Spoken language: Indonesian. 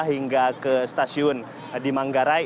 hingga ke stasiun di manggarai